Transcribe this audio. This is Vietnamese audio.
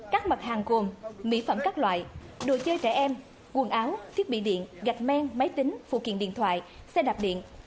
các mặt hàng gồm mỹ phẩm các loại đồ chơi trẻ em quần áo thiết bị điện gạch men máy tính phụ kiện điện thoại xe đạp điện